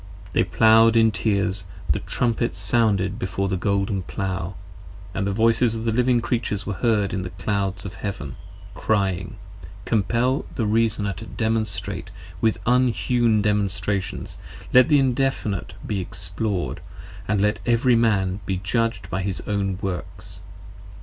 64 They Plow'd in tears, the trumpets sounded before the golden Plow, 55 And the voices of the Living Creatures were heard in the clouds of heaven, Crying: Compell the Reasoner to Demonstrate with unhewn Demonstrations, Let the Indefinite be explored, and let every Man be Judged By his own Works.